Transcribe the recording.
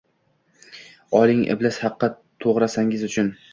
Oling, iblis haqqi, tog`arangiz uchun